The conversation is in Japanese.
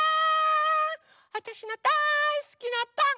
わたしのだいすきなパン。